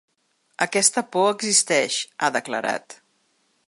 Aquesta por existeix, ha declarat.